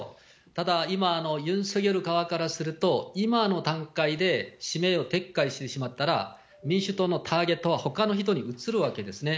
ただ、今、ユン・ソギョル側からすると、今の段階で指名を撤回してしまったら、民主党のターゲットはほかの人に移るわけですね。